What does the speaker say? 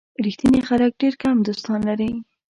ریښتیني خلک ډېر کم دوستان لري.